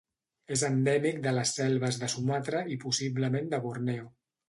És endèmic de les selves de Sumatra i possiblement de Borneo.